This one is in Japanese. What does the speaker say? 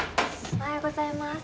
おはようございます。